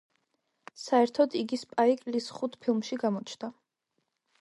საერთოდ, იგი სპაიკ ლის ხუთ ფილმში გამოჩნდა.